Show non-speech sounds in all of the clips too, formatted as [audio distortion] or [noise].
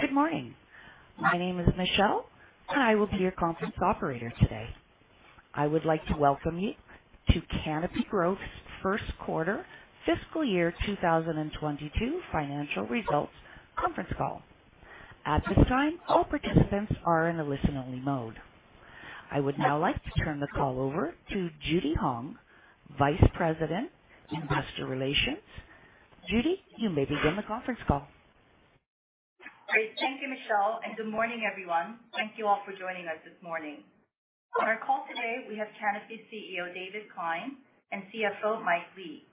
Good morning. My name is Michelle, and I will be your conference operator today. I would like to welcome you to Canopy Growth's first quarter fiscal year 2022 financial results conference call. At this time, all participants are in a listen-only mode. I would now like to turn the call over to Judy Hong, Vice President, Investor Relations. Judy, you may begin the conference call. Great. Thank you, Michelle, good morning, everyone. Thank you all for joining us this morning. On our call today, we have Canopy CEO, David Klein, and CFO, Mike Lee.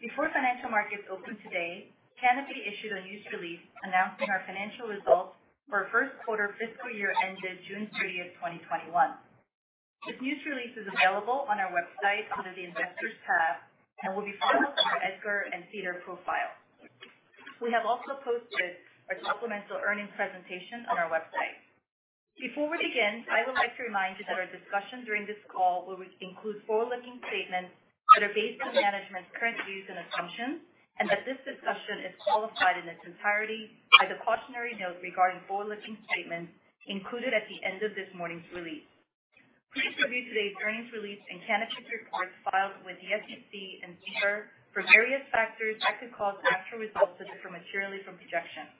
Before financial markets open today, Canopy issued a news release announcing our financial results for first quarter fiscal year ended June 30th, 2021. This news release is available on our website under the Investors tab and will be filed on our EDGAR and SEDAR profile. We have also posted a supplemental earnings presentation on our website. Before we begin, I would like to remind you that our discussion during this call will include forward-looking statements that are based on management's current views and assumptions and that this discussion is qualified in its entirety by the cautionary note regarding forward-looking statements included at the end of this morning's release. Please review today's earnings release and Canopy's reports filed with the SEC and SEDAR for various factors that could cause actual results to differ materially from projections.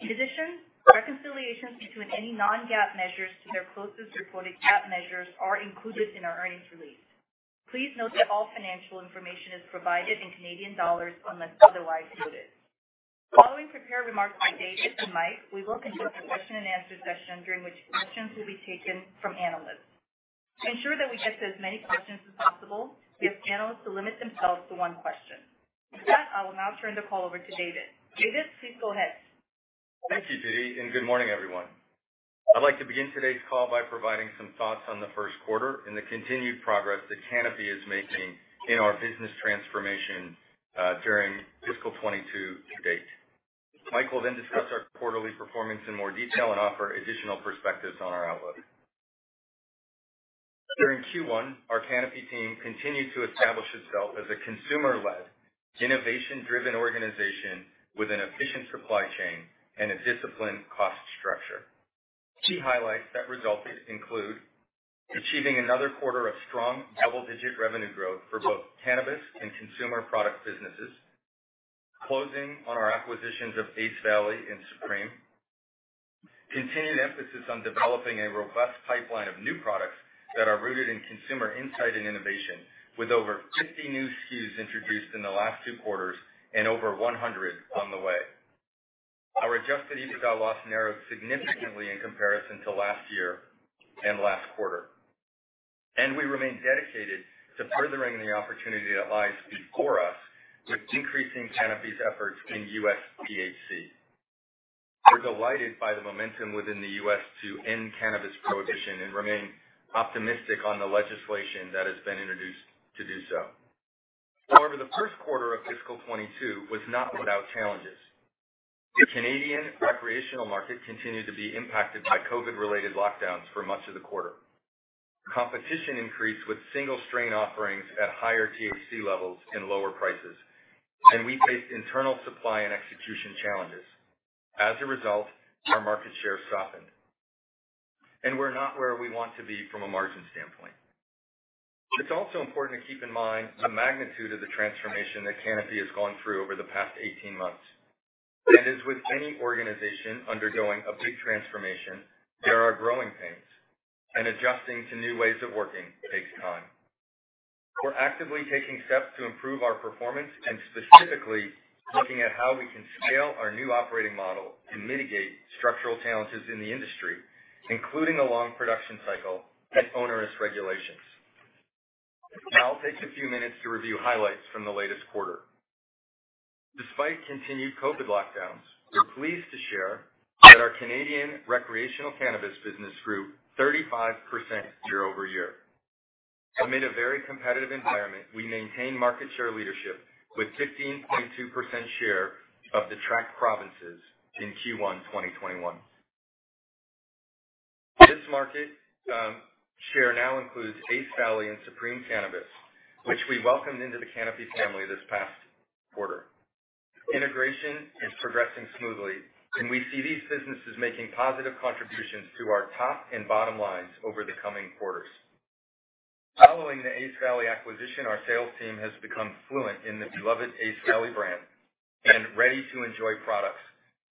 In addition, reconciliations between any non-GAAP measures to their closest reported GAAP measures are included in our earnings release. Please note that all financial information is provided in Canadian dollars unless otherwise noted. Following prepared remarks by David and Mike, we will conduct a question-and-answer session during which questions will be taken from analysts. To ensure that we get to as many questions as possible, we ask analysts to limit themselves to one question. With that, I will now turn the call over to David. David, please go ahead. Thank you, Judy. Good morning, everyone. I'd like to begin today's call by providing some thoughts on the first quarter and the continued progress that Canopy is making in our business transformation, during FY 2022 to-date. Mike will then discuss our quarterly performance in more detail and offer additional perspectives on our outlook. During Q1, our Canopy team continued to establish itself as a consumer-led, innovation-driven organization with an efficient supply chain and a disciplined cost structure. Key highlights that resulted include: achieving another quarter of strong double-digit revenue growth for both cannabis and consumer product businesses, closing on our acquisitions of Ace Valley and Supreme, continued emphasis on developing a robust pipeline of new products that are rooted in consumer insight and innovation with over 50 new SKUs introduced in the last two quarters and over 100 on the way. Our adjusted EBITDA loss narrowed significantly in comparison to last year and last quarter. We remain dedicated to furthering the opportunity that lies before us with increasing Canopy's efforts in U.S. THC. We're delighted by the momentum within the U.S. to end cannabis prohibition and remain optimistic on the legislation that has been introduced to do so. However, the first quarter of fiscal 2022 was not without challenges. The Canadian recreational market continued to be impacted by COVID-related lockdowns for much of the quarter. Competition increased with single-strain offerings at higher THC levels and lower prices, and we faced internal supply and execution challenges. As a result, our market share softened, and we're not where we want to be from a margin standpoint. It's also important to keep in mind the magnitude of the transformation that Canopy has gone through over the past 18 months. As with any organization undergoing a big transformation, there are growing pains, and adjusting to new ways of working takes time. We're actively taking steps to improve our performance and specifically looking at how we can scale our new operating model and mitigate structural challenges in the industry, including a long production cycle and onerous regulations. Now I'll take a few minutes to review highlights from the latest quarter. Despite continued COVID lockdowns, we're pleased to share that our Canadian recreational cannabis business grew 35% year-over-year. Amid a very competitive environment, we maintained market share leadership with 15.2% share of the tracked provinces in Q1 2021. This market share now includes Ace Valley and Supreme Cannabis, which we welcomed into the Canopy family this past quarter. Integration is progressing smoothly, and we see these businesses making positive contributions to our top and bottom lines over the coming quarters. Following the Ace Valley acquisition, our sales team has become fluent in the beloved Ace Valley brand and ready-to-enjoy products,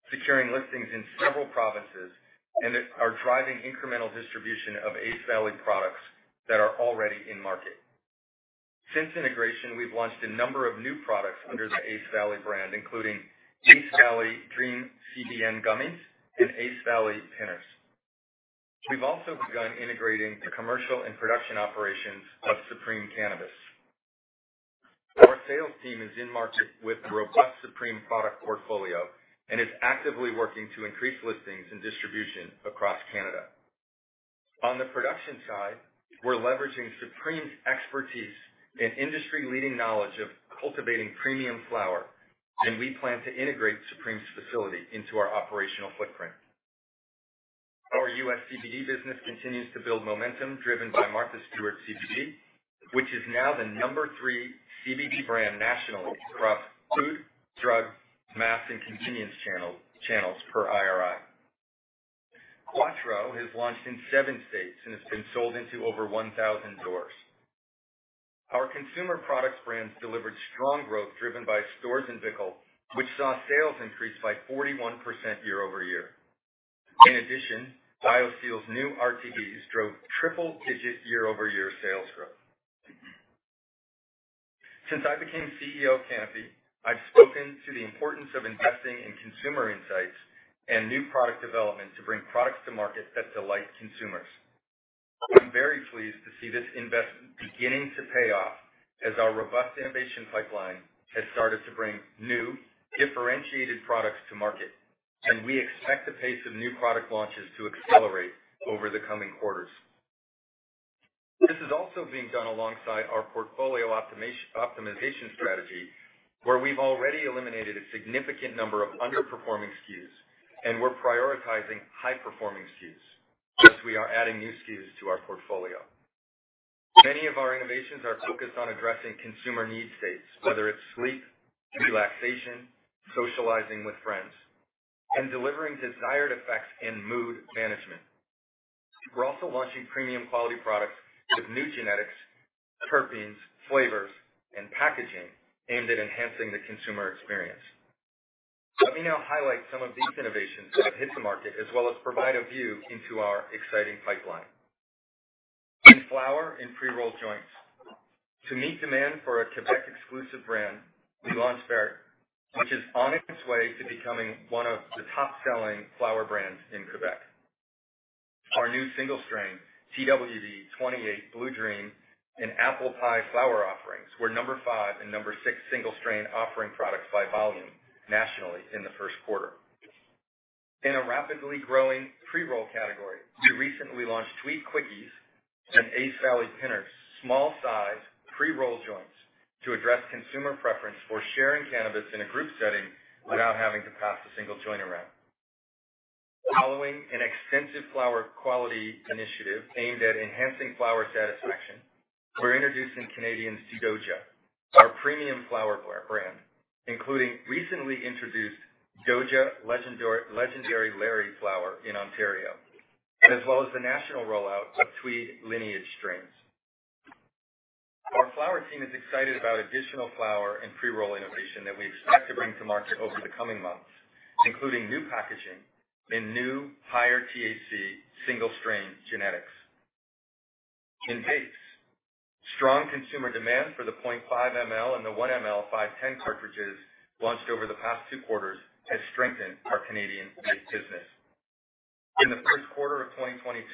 securing listings in several provinces and are driving incremental distribution of Ace Valley products that are already in market. Since integration, we've launched a number of new products under the Ace Valley brand, including Ace Valley Dream CBN Gummies and Ace Valley Pinners. We've also begun integrating the commercial and production operations of Supreme Cannabis. Our sales team is in market with the robust Supreme product portfolio and is actively working to increase listings and distribution across Canada. On the production side, we're leveraging Supreme's expertise and industry-leading knowledge of cultivating premium flower, and we plan to integrate Supreme's facility into our operational footprint. Our U.S. CBD business continues to build momentum driven by Martha Stewart CBD, which is now the number three CBD brand nationally across food, drug, mass, and convenience channels per IRI. Quatreau has launched in seven states and has been sold into over 1,000 doors. Our consumer products brands delivered strong growth, driven by STORZ & BICKEL, which saw sales increase by 41% year-over-year. In addition, BioSteel's new RTDs drove triple-digit year-over-year sales growth. Since I became CEO of Canopy, I've spoken to the importance of investing in consumer insights and new product development to bring products to market that delight consumers. I'm very pleased to see this investment beginning to pay off as our robust innovation pipeline has started to bring new, differentiated products to market, and we expect the pace of new product launches to accelerate over the coming quarters. This is also being done alongside our portfolio optimization strategy, where we've already eliminated a significant number of underperforming SKUs, and we're prioritizing high-performing SKUs as we are adding new SKUs to our portfolio. Many of our innovations are focused on addressing consumer need states, whether it's sleep, relaxation, socializing with friends, and delivering desired effects and mood management. We're also launching premium quality products with new genetics, terpenes, flavors, and packaging aimed at enhancing the consumer experience. Let me now highlight some of these innovations that have hit the market as well as provide a view into our exciting pipeline. In flower and pre-rolled joints, to meet demand for a Quebec-exclusive brand, we launched Vert, which is on its way to becoming one of the top-selling flower brands in Quebec. Our new single-strain Twd. 28 Blue Dream and Apple Pie Flower offerings were number five and number six single strain offering products by volume nationally in the first quarter. In a rapidly growing pre-roll category, we recently launched Tweed Quickies and Ace Valley Pinners small size pre-roll joints to address consumer preference for sharing cannabis in a group setting without having to pass a single joint around. Following an extensive flower quality initiative aimed at enhancing flower satisfaction, we're introducing Canadians to DOJA, our premium flower brand, including recently introduced DOJA Legendary Larry Flower in Ontario, and as well as the national rollout of Tweed lineage strains. Our flower team is excited about additional flower and pre-roll innovation that we expect to bring to market over the coming months, including new packaging and new higher THC single-strain genetics. In vapes, strong consumer demand for the 0.5 ml and the 1-ml 510 cartridges launched over the past two quarters has strengthened our Canadian vape business. In the first quarter of 2022,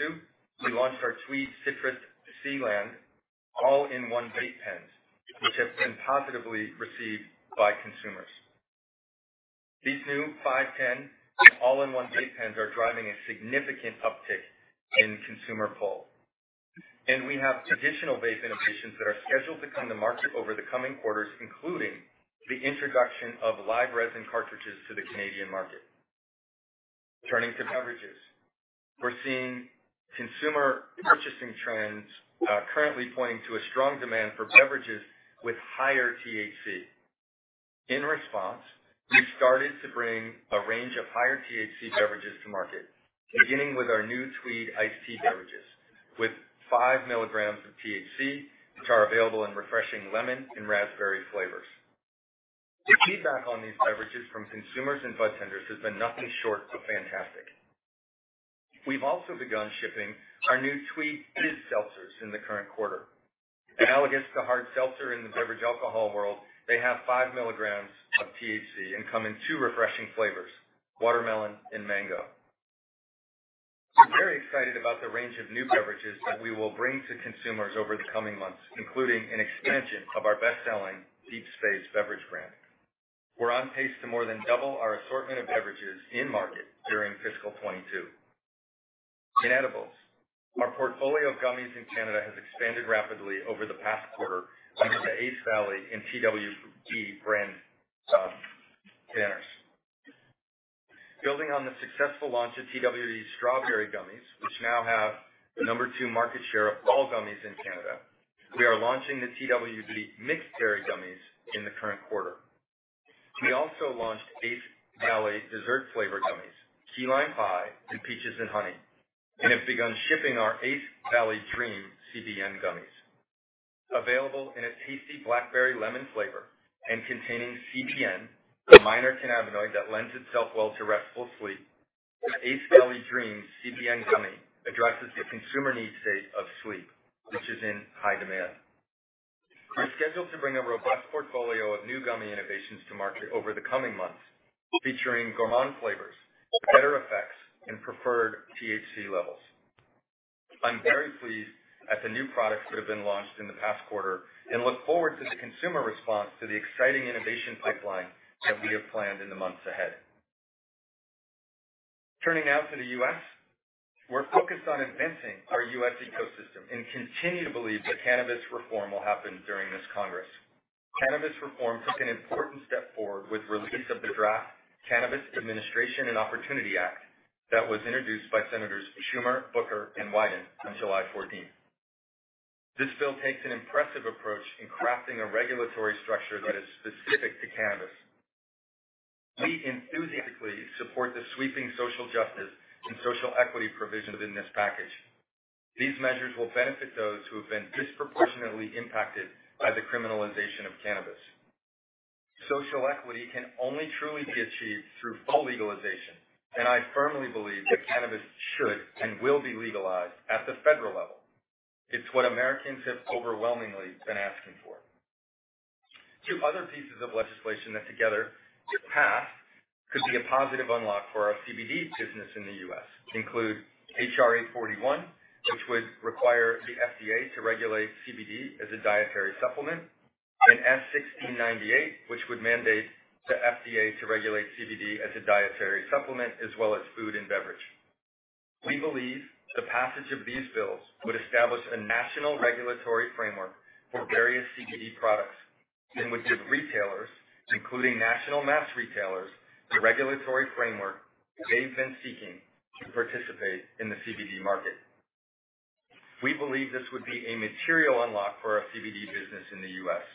we launched our Tweed: Citrus C-Land all-in-one vape pens, which have been positively received by consumers. These new 510 and all-in-one vape pens are driving a significant uptick in consumer pull, and we have additional vape innovations that are scheduled to come to market over the coming quarters, including the introduction of live resin cartridges to the Canadian market. Turning to beverages. We're seeing consumer purchasing trends currently pointing to a strong demand for beverages with higher THC. In response, we've started to bring a range of higher THC beverages to market, beginning with our new Tweed Iced Tea beverages with 5 mg of THC, which are available in refreshing lemon and raspberry flavors. The feedback on these beverages from consumers and budtenders has been nothing short of fantastic. We've also begun shipping our new Tweed Fizz seltzers in the current quarter. Analogous to hard seltzer in the beverage alcohol world, they have 5 mg of THC and come in two refreshing flavors, watermelon and mango. We're very excited about the range of new beverages that we will bring to consumers over the coming months, including an expansion of our best-selling Deep Space beverage brand. We're on pace to more than double our assortment of beverages in-market during fiscal 2022. In edibles, our portfolio of gummies in Canada has expanded rapidly over the past quarter under the Ace Valley and Twd. brand banners. Building on the successful launch of Twd. strawberry gummies, which now have the number two market share of all gummies in Canada, we are launching the Twd. mixed berry gummies in the current quarter. We also launched Ace Valley dessert flavor gummies, key lime pie, and peaches and honey, and have begun shipping our Ace Valley Dream CBN gummies. Available in a tasty blackberry lemon flavor and containing CBN, a minor cannabinoid that lends itself well to restful sleep, the Ace Valley Dream CBN gummy addresses the consumer need state of sleep, which is in high demand. We are scheduled to bring a robust portfolio of new gummy innovations to market over the coming months, featuring gourmand flavors, better effects, and preferred THC levels. I'm very pleased at the new products that have been launched in the past quarter and look forward to the consumer response to the exciting innovation pipeline that we have planned in the months ahead. Turning now to the U.S., we're focused on advancing our U.S. ecosystem and continue to believe that cannabis reform will happen during this Congress. Cannabis reform took an important step forward with release of the draft Cannabis Administration and Opportunity Act that was introduced by Senators Schumer, Booker, and Wyden on July 14th. This bill takes an impressive approach in crafting a regulatory structure that is specific to cannabis. We enthusiastically support the sweeping social justice and social equity provisions within this package. These measures will benefit those who have been disproportionately impacted by the criminalization of cannabis. Social equity can only truly be achieved through full legalization. I firmly believe that cannabis should and will be legalized at the Federal level. It's what Americans have overwhelmingly been asking for. Two other pieces of legislation that together, if passed, could be a positive unlock for our CBD business in the U.S., include H.R. 841, which would require the FDA to regulate CBD as a dietary supplement, and S. 1698, which would mandate the FDA to regulate CBD as a dietary supplement as well as food and beverage. We believe the passage of these bills would establish a national regulatory framework for various CBD products and would give retailers, including national mass retailers, the regulatory framework they've been seeking to participate in the CBD market. We believe this would be a material unlock for our CBD business in the U.S.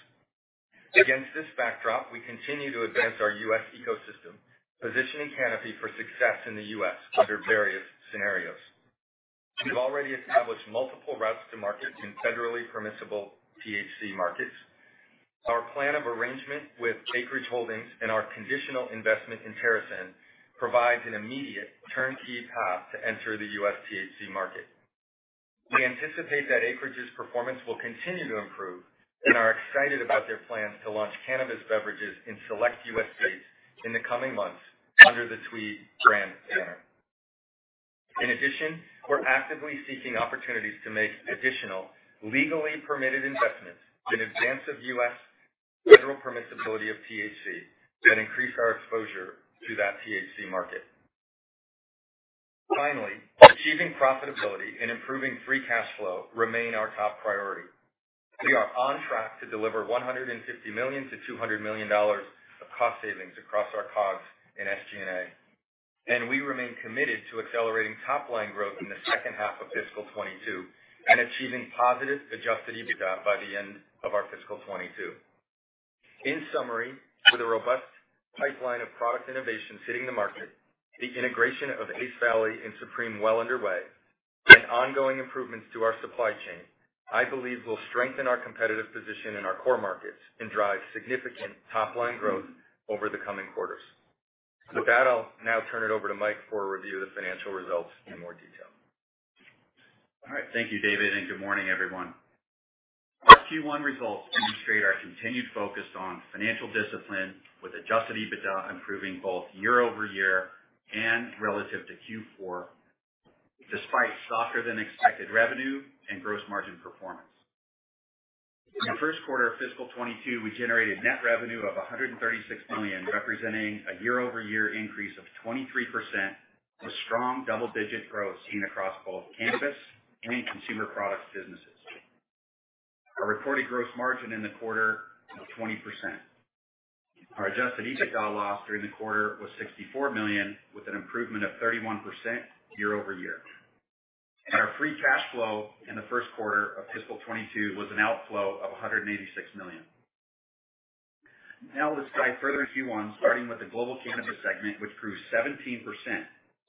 Against this backdrop, we continue to advance our U.S. ecosystem, positioning Canopy for success in the U.S. under various scenarios. We've already established multiple routes to market in federally permissible THC markets. Our plan of arrangement with Acreage Holdings and our conditional investment in TerrAscend provides an immediate turnkey path to enter the U.S. THC market. We anticipate that Acreage's performance will continue to improve and are excited about their plans to launch cannabis beverages in select U.S. states in the coming months under the Tweed brand banner. In addition, we're actively seeking opportunities to make additional legally permitted investments in advance of U.S. federal permissibility of THC that increase our exposure to that THC market. Finally, achieving profitability and improving free cash flow remain our top priority. We are on track to deliver 150 million-200 million dollars of cost savings across our COGS and SG&A, and we remain committed to accelerating top-line growth in the second half of fiscal 2022 and achieving positive adjusted EBITDA by the end of our fiscal 2022. In summary, with a robust pipeline of product innovation hitting the market, the integration of Ace Valley and Supreme well underway, and ongoing improvements to our supply chain, I believe we'll strengthen our competitive position in our core markets and drive significant top-line growth over the coming quarters. With that, I'll now turn it over to Mike for a review of the financial results in more detail. All right. Thank you, David. Good morning, everyone. Our Q1 results demonstrate our continued focus on financial discipline with adjusted EBITDA improving both year-over-year and relative to Q4, despite softer than expected revenue and gross margin performance. In the first quarter of fiscal 2022, we generated net revenue of CAD 136 million, representing a year-over-year increase of 23%, with strong double-digit growth seen across both cannabis and in consumer products businesses. Our reported gross margin in the quarter was 20%. Our adjusted EBITDA loss during the quarter was 64 million, with an improvement of 31% year-over-year. Our free cash flow in the first quarter of fiscal 2022 was an outflow of 186 million. Now let's dive further into Q1, starting with the global cannabis segment, which grew 17%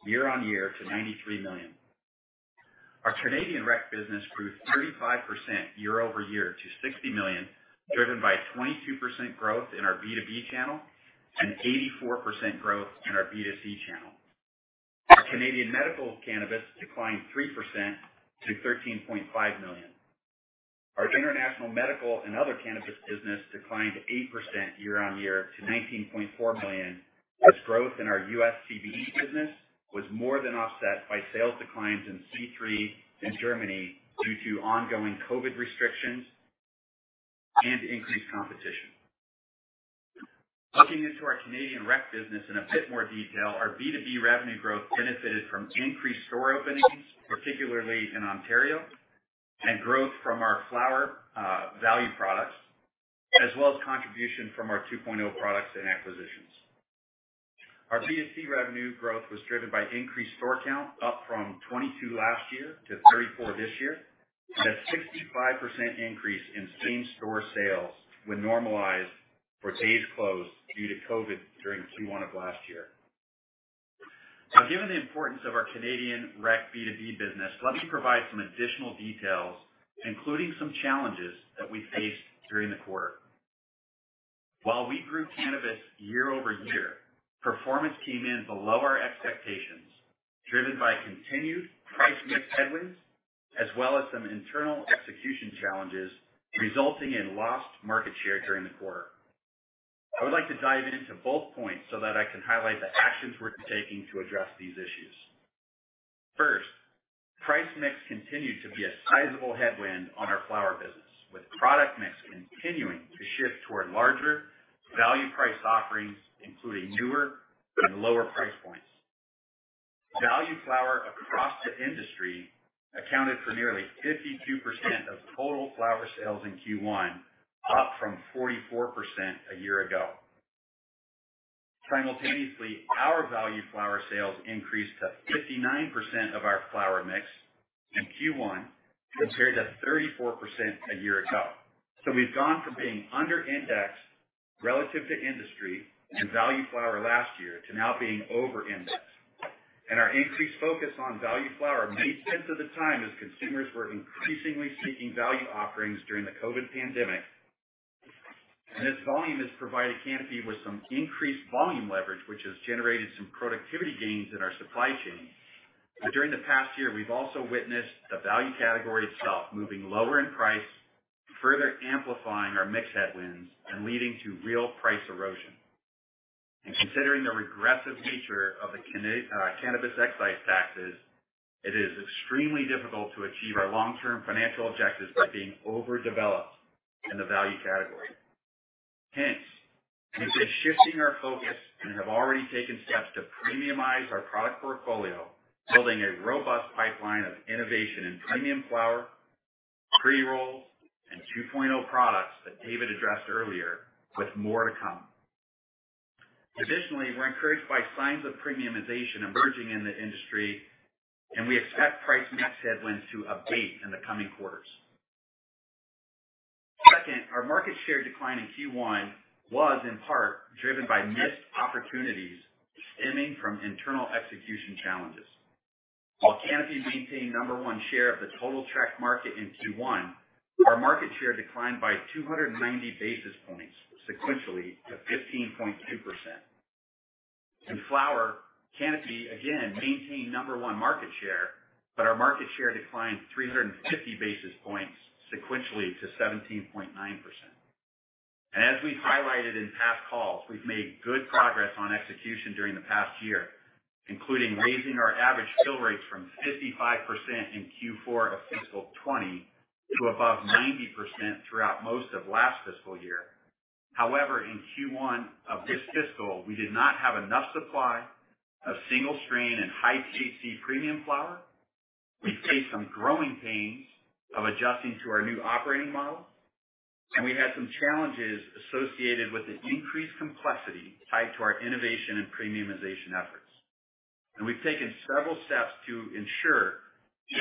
year-on-year to 93 million. Our Canadian rec business grew 35% year-over-year to 60 million, driven by a 22% growth in our B2B channel and 84% growth in our B2C channel. Our Canadian medical cannabis declined 3% to 13.5 million. Our international medical and other cannabis business declined 8% year-over-year to 19.4 million as growth in our U.S. CBD business was more than offset by sales declines in C3 and Germany due to ongoing COVID restrictions and increased competition. Looking into our Canadian rec business in a bit more detail, our B2B revenue growth benefited from increased store openings, particularly in Ontario, and growth from our flower value products, as well as contribution from our 2.0 products and acquisitions. Our B2C revenue growth was driven by increased store count, up from 22 last year to 34 this year, and a 65% increase in same-store sales when normalized for days closed due to COVID during Q1 of last year. Given the importance of our Canadian rec B2B business, let me provide some additional details, including some challenges that we faced during the quarter. While we grew cannabis year-over-year, performance came in below our expectations, driven by continued price mix headwinds, as well as some internal execution challenges, resulting in lost market share during the quarter. I would like to dive into both points so that I can highlight the actions we're taking to address these issues. First, price mix continued to be a sizable headwind on our flower business, with product mix continuing to shift toward larger value price offerings, including newer and lower price points. Value flower across the industry accounted for nearly 52% of total flower sales in Q1, up from 44% a year ago. Simultaneously, our value flower sales increased to 59% of our flower mix in Q1, compared to 34% a year ago. We've gone from being under indexed relative to industry in value flower last year, to now being over indexed. Our increased focus on value flower made sense at the time as consumers were increasingly seeking value offerings during the COVID pandemic. This volume has provided Canopy with some increased volume leverage, which has generated some productivity gains in our supply chain. During the past year, we've also witnessed the value category itself moving lower in price, further amplifying our mix headwinds and leading to real price erosion. Considering the regressive nature of the cannabis excise taxes, it is extremely difficult to achieve our long-term financial objectives by being over-developed in the value category. Hence, we are shifting our focus and have already taken steps to premiumize our product portfolio, building a robust pipeline of innovation in premium flower, pre-rolls, and 2.0 products that David addressed earlier, with more to come. Additionally, we're encouraged by signs of premiumization emerging in the industry, and we expect price mix headwinds to abate in the coming quarters. Second, our market share decline in Q1 was in part driven by missed opportunities stemming from internal execution challenges. While Canopy maintained number one share of the total tracked market in Q1, our market share declined by 290 basis points sequentially to 15.2%. Our market share declined 350 basis points sequentially to 17.9%. As we've highlighted in past calls, we've made good progress on execution during the past year, including raising our average fill rates from 55% in Q4 of fiscal 2020 to above 90% throughout most of last fiscal year. However, in Q1 of this fiscal, we did not have enough supply of single strain and high-THC premium flower. We faced some growing pains of adjusting to our new operating model. We had some challenges associated with the increased complexity tied to our innovation and premiumization efforts. We've taken several steps to ensure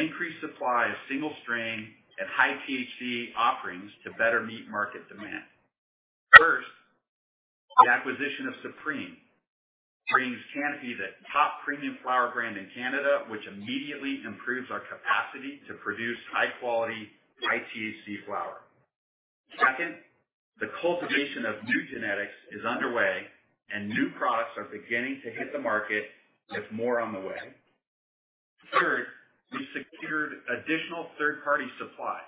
increased supply of single strain and high-THC offerings to better meet market demand. First, the acquisition of Supreme brings Canopy the top premium flower brand in Canada, which immediately improves our capacity to produce high-quality, high-THC flower. Second, the cultivation of new genetics is underway, and new products are beginning to hit the market, with more on the way. Third, we secured additional third-party supply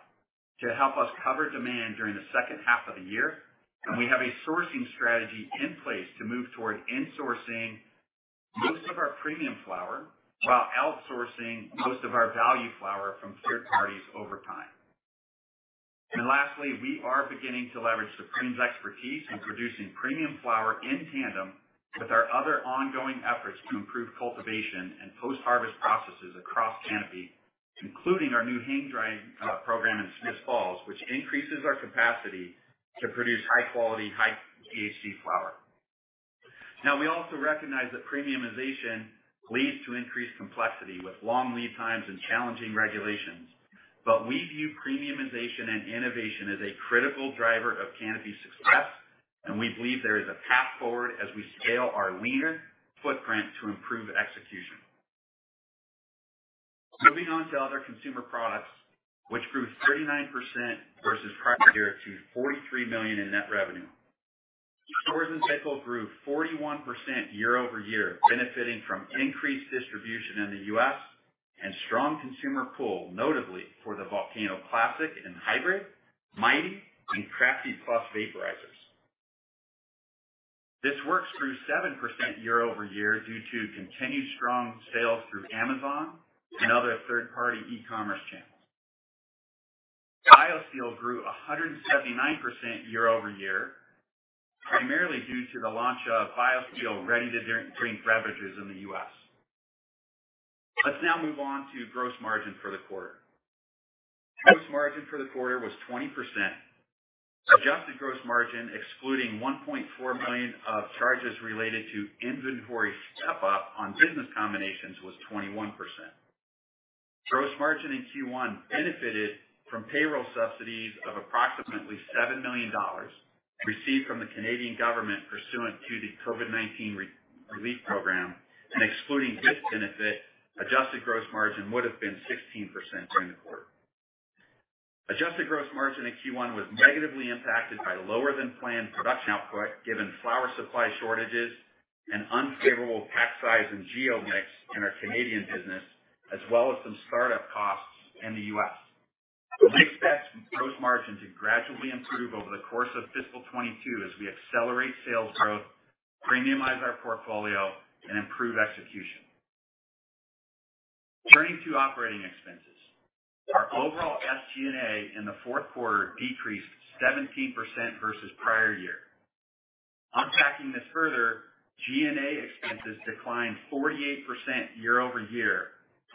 to help us cover demand during the second half of the year, and we have a sourcing strategy in place to move toward insourcing most of our premium flower while outsourcing most of our value flower from third parties over time. Lastly, we are beginning to leverage Supreme's expertise in producing premium flower in tandem with our other ongoing efforts to improve cultivation and post-harvest processes across Canopy, including our new hang-drying program in Smiths Falls, which increases our capacity to produce high-quality, high-THC flower. We also recognize that premiumization leads to increased complexity with long lead times and challenging regulations. We view premiumization and innovation as a critical driver of Canopy's success, and we believe there is a path forward as we scale our leaner footprint to improve execution. Moving on to other consumer products, which grew 39% versus prior-year to 43 million in net revenue. STORZ & BICKEL grew 41% year-over-year, benefiting from increased distribution in the U.S. and strong consumer pull, notably for the VOLCANO CLASSIC and HYBRID, MIGHTY+, and CRAFTY+ vaporizers. This works grew 7% year-over-year due to continued strong sales through Amazon and other third-party e-commerce channels. BioSteel grew 179% year-over-year, primarily due to the launch of BioSteel ready-to-drink beverages in the U.S. Let's now move on to gross margin for the quarter. Gross margin for the quarter was 20%. Adjusted gross margin, excluding 1.4 million of charges related to inventory step-up on business combinations, was 21%. Gross margin in Q1 benefited from payroll subsidies of approximately 7 million dollars received from the Canadian government pursuant to the COVID-19 Relief Program, and excluding this benefit, adjusted gross margin would have been 16% during the quarter. Adjusted gross margin in Q1 was negatively impacted by lower than planned production output given flower supply shortages and unfavorable pack size and geo mix in our Canadian business, as well as some startup costs in the U.S. We expect gross margin to gradually improve over the course of fiscal 2022 as we accelerate sales growth, premiumize our portfolio, and improve execution. Turning to operating expenses. Our overall SG&A in the fourth quarter decreased 17% versus prior year. Unpacking this further, G&A expenses declined 48% year-over-year,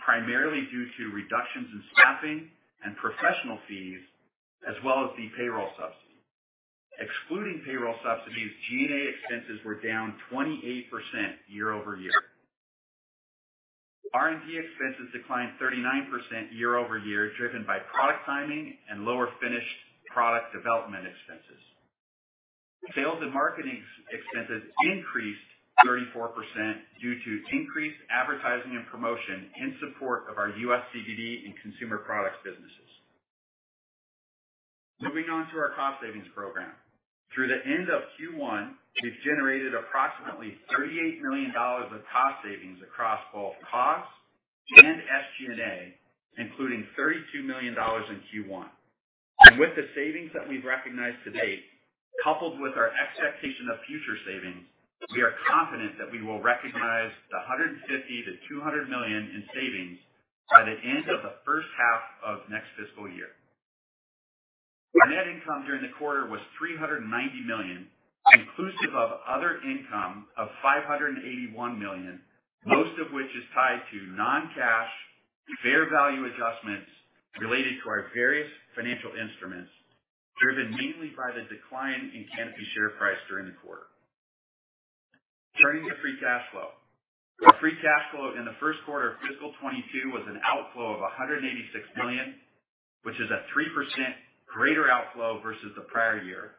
primarily due to reductions in staffing and professional fees, as well as the payroll subsidy. Excluding payroll subsidies, G&A expenses were down 28% year-over-year. R&D expenses declined 39% year-over-year, driven by product timing and lower finished product development expenses. Sales and marketing expenses increased 34% due to increased advertising and promotion in support of our U.S. CBD and consumer products businesses. Moving on to our cost savings program. Through the end of Q1, we've generated approximately 38 million dollars of cost savings across both COGS and SG&A, including 32 million dollars in Q1. With the savings that we've recognized to-date, coupled with our expectation of future savings, we are confident that we will recognize the 150 million-200 million in savings by the end of the first half of next fiscal year. Our net income during the quarter was 390 million, inclusive of other income of 581 million, most of which is tied to non-cash fair value adjustments related to our various financial instruments, driven mainly by the decline in Canopy share price during the quarter. Turning to free cash flow. Our free cash flow in the first quarter of fiscal 2022 was an outflow of 186 million, which is a 3% greater outflow versus the prior year.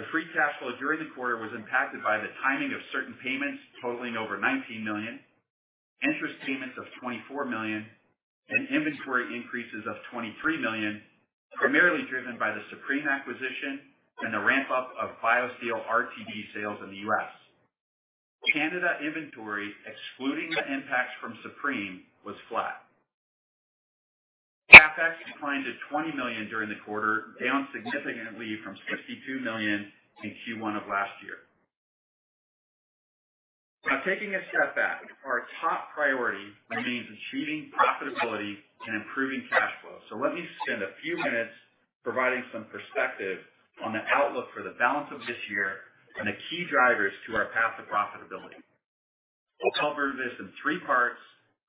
The free cash flow during the quarter was impacted by the timing of certain payments totaling over 19 million, interest payments of 24 million, and inventory increases of 23 million, primarily driven by the Supreme acquisition and the ramp-up of BioSteel RTD sales in the U.S. Canada inventory, excluding the impacts from Supreme, was flat. CapEx declined to 20 million during the quarter, down significantly from 62 million in Q1 of last year. Taking a step back, our top priority remains achieving profitability and improving cash flow. Let me spend a few minutes providing some perspective on the outlook for the balance of this year and the key drivers to our path to profitability. We'll cover this in three parts,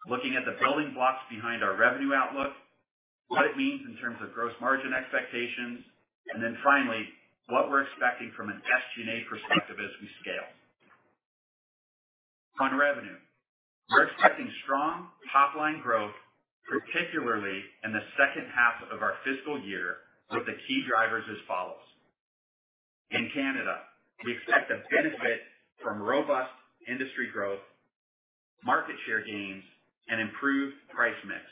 looking at the building blocks behind our revenue outlook, what it means in terms of gross margin expectations, and then finally, what we're expecting from an SG&A perspective as we scale. On revenue, we're expecting strong top-line growth, particularly in the second half of our fiscal year, with the key drivers as follows. In Canada, we expect to benefit from robust industry growth, market share gains, and improved price mix.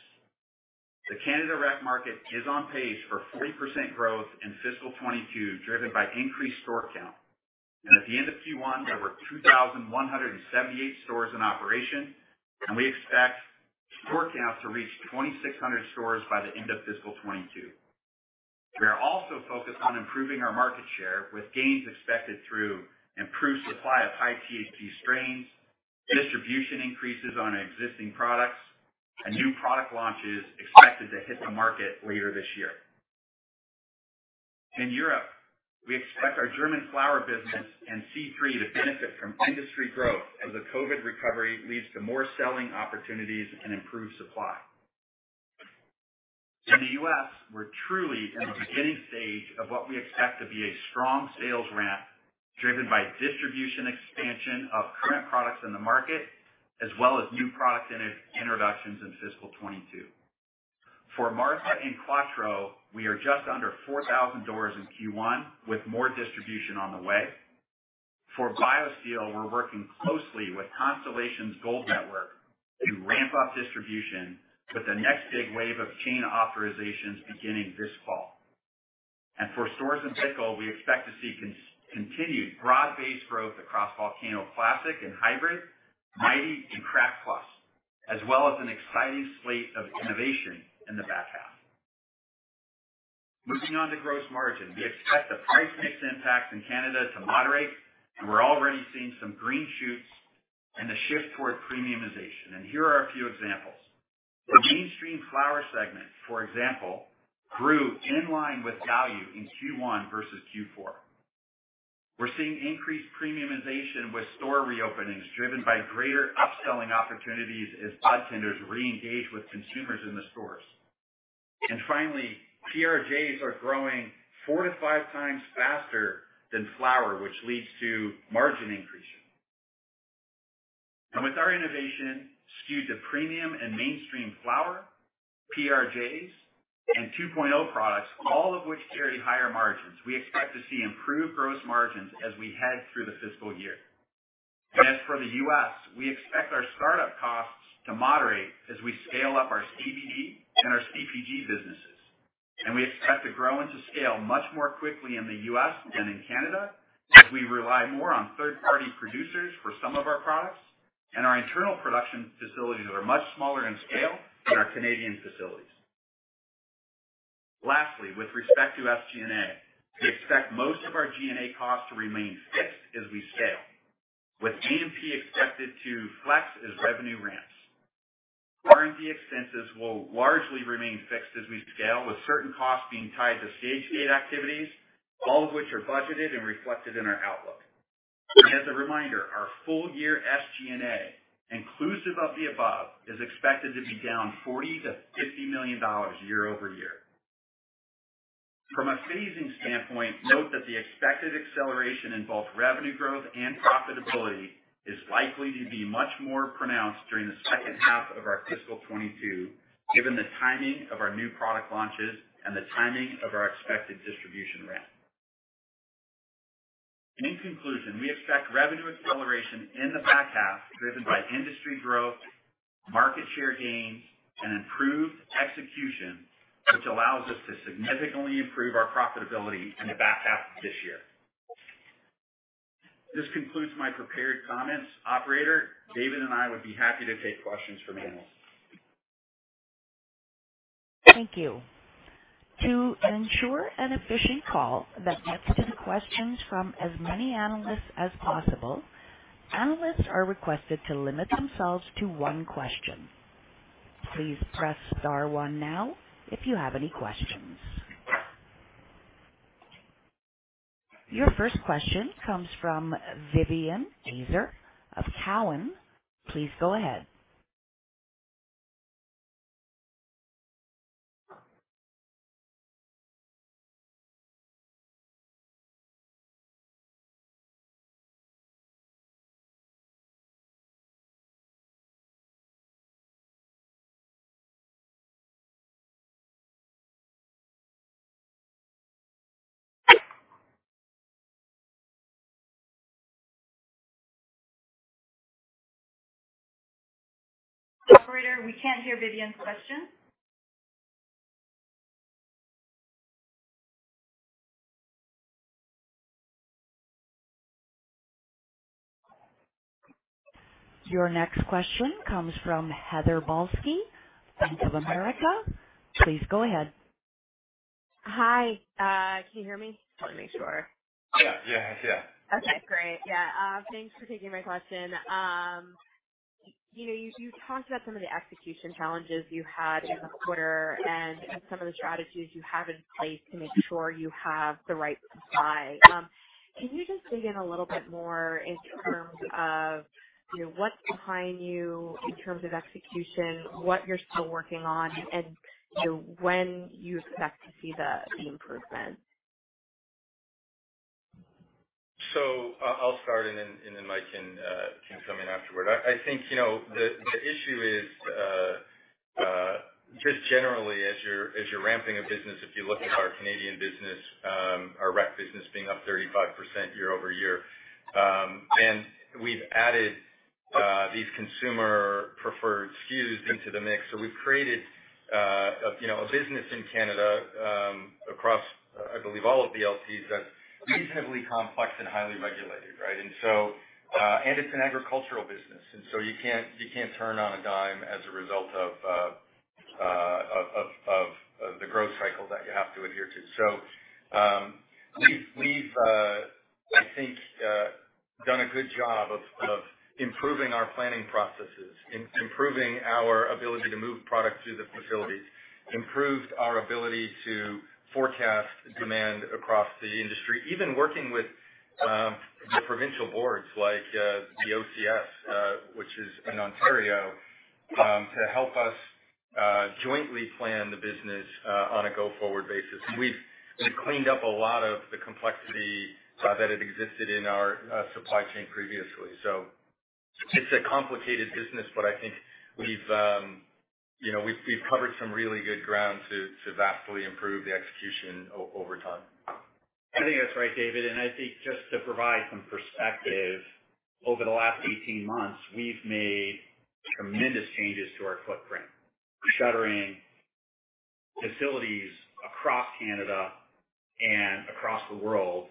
The Canada rec market is on pace for 40% growth in fiscal 2022, driven by increased store count. At the end of Q1, there were 2,178 stores in operation, and we expect store counts to reach 2,600 stores by the end of fiscal 2022. We are also focused on improving our market share, with gains expected through improved supply of high-THC strains, distribution increases on existing products, and new product launches expected to hit the market later this year. In Europe, we expect our German flower business and C3 to benefit from industry growth as the COVID recovery leads to more selling opportunities and improved supply. In the U.S., we're truly in the beginning stage of what we expect to be a strong sales ramp, driven by distribution expansion of current products in the market, as well as new product introductions in fiscal 2022. For Martha and Quatreau, we are just under 4,000 doors in Q1, with more distribution on the way. For BioSteel, we're working closely with Constellation's Gold Network to ramp-up distribution with the next big wave of chain authorizations beginning this fall. For STORZ & BICKEL, we expect to see continued broad-based growth across VOLCANO CLASSIC and HYBRID, MIGHTY+, and CRAFTY+, as well as an exciting slate of innovation in the back half. Moving on to gross margin. We expect the price mix impact in Canada to moderate. We're already seeing some green shoots and a shift toward premiumization. Here are a few examples. The mainstream flower segment, for example, grew in line with value in Q1 versus Q4. We're seeing increased premiumization with store reopenings driven by greater upselling opportunities as budtenders reengage with consumers in the stores. Finally, PRJs are growing four to five times faster than flower, which leads to margin increase. With our innovation skewed to premium and mainstream flower, PRJs, and 2.0 products, all of which carry higher margins, we expect to see improved gross margins as we head through the fiscal year. As for the U.S., we expect our startup costs to moderate as we scale up our CBD and our CPG businesses. We expect to grow and to scale much more quickly in the U.S. than in Canada, as we rely more on third-party producers for some of our products, and our internal production facilities are much smaller in scale than our Canadian facilities. Lastly, with respect to SG&A, we expect most of our G&A costs to remain fixed as we scale, with A&P expected to flex as revenue ramps. R&D expenses will largely remain fixed as we scale, with certain costs being tied to stage gate activities, all of which are budgeted and reflected in our outlook. As a reminder, our full year SG&A, inclusive of the above, is expected to be down 40 million to 50 million dollars year-over-year. From a phasing standpoint, note that the expected acceleration in both revenue growth and profitability is likely to be much more pronounced during the second half of our fiscal 2022, given the timing of our new product launches and the timing of our expected distribution ramp. In conclusion, we expect revenue acceleration in the back half driven by industry growth, market share gains, and improved execution, which allows us to significantly improve our profitability in the back half of this year. This concludes my prepared comments. Operator, David and I would be happy to take questions from analysts. Thank you. To ensure an efficient call that gets to questions from as many analysts as possible, analysts are requested to limit themselves to one question. Please press star one now if you have any questions. Your first question comes from Vivien Azer of Cowen. Please go ahead. Operator, we can't hear Vivien's question. Your next question comes from Heather Balsky, Bank of America. Please go ahead. Hi. Can you hear me? Just want to make sure. Yeah. Okay, great. Yeah. Thanks for taking my question. You talked about some of the execution challenges you had in the quarter and some of the strategies you have in place to make sure you have the right supply. Can you just dig in a little bit more in terms of what's behind you in terms of execution, what you're still working on, and when you expect to see the improvement? I'll start, and then Mike can come in afterward. I think the issue is, just generally as you're ramping a business, if you look at our Canadian business, our rec business being up 35% year-over-year. We've added these consumer preferred SKUs into the mix. We've created a business in Canada, across, I believe, all of the LPs, that's reasonably complex and highly regulated, right? It's an agricultural business, you can't turn on a dime as a result of the growth cycle that you have to adhere to. We've, I think, done a good job of improving our planning processes, improving our ability to move product through the facilities, improved our ability to forecast demand across the industry, even working with the provincial boards like the OCS which is in Ontario, to help us jointly plan the business on a go-forward basis. We've cleaned up a lot of the complexity that had existed in our supply chain previously. It's a complicated business, but I think we've covered some really good ground to vastly improve the execution over time. I think that's right, David. I think just to provide some perspective, over the last 18 months, we've made tremendous changes to our footprint, shuttering facilities across Canada and across the world,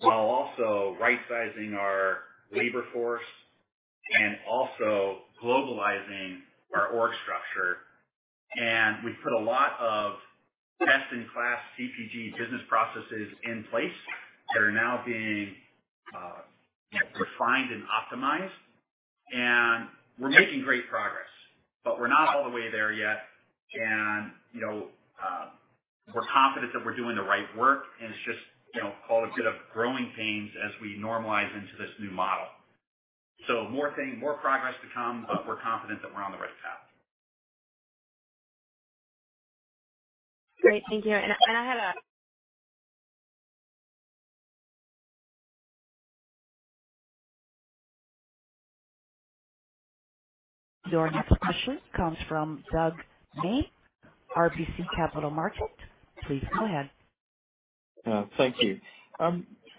while also right-sizing our labor force and also globalizing our org structure. We've put a lot of best-in-class CPG business processes in place that are now being refined and optimized, and we're making great progress, but we're not all the way there yet. We're confident that we're doing the right work, and it's just called a bit of growing pains as we normalize into this new model. More progress to come, but we're confident that we're on the right path. Great. Thank you. I had. Your next question comes from Doug Miehm, RBC Capital Markets. Please go ahead. Thank you.